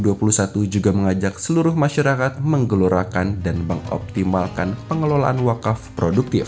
dua ribu dua puluh satu juga mengajak seluruh masyarakat menggelorakan dan mengoptimalkan pengelolaan wakaf produktif